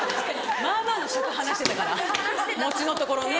まぁまぁの尺話してたから餅のところね。